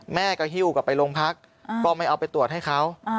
แม่ก็หิ้วกลับไปโรงพักก็ไม่เอาไปตรวจให้เขา